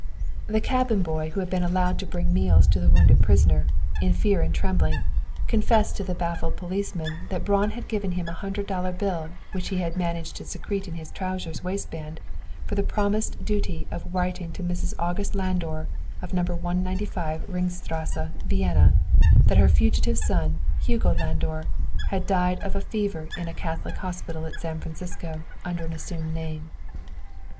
The cabin boy who had been allowed to bring meals to the wounded prisoner, in fear and trembling, confessed to the baffled policeman that Braun had given him a hundred dollar bill which he had managed to secrete in his trousers waistband, for the promised duty of writing to Mrs. August Landor, No. 195 Ringstrasse, Vienna, that her fugitive son, Hugo Landor, had died of fever in a Catholic hospital at San Francisco, under an assumed name.